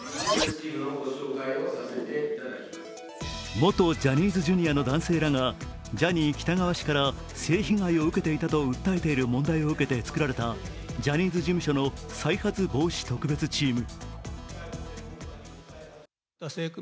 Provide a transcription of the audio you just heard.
元ジャニーズＪｒ．の男性らがジャニー喜多川氏から性被害を受けていたと訴えている問題を受けて作られたジャニーズ事務所の再発防止特別チーム。